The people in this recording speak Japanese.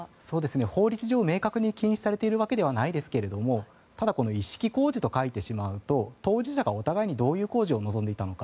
法律上明確に禁止されているわけではないですがただ、一式工事と書いてしまうと当事者がお互いにどういう工事を望んでいたのか。